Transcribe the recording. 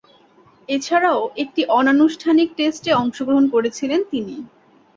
এছাড়াও, একটি অনানুষ্ঠানিক টেস্টে অংশগ্রহণ করেছিলেন তিনি।